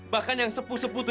bahkan yang sepu sepu tuh